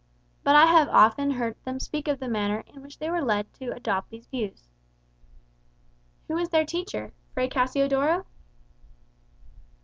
But I have often heard them speak of the manner in which they were led to adopt these views." "Who was their teacher? Fray Cassiodoro?"